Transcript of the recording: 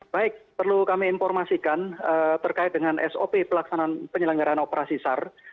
baik perlu kami informasikan terkait dengan sop penyelenggaran operasi sar